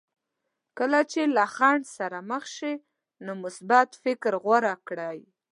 کله چې له خنډ سره مخ شئ نو مثبت فکر غوره کړئ.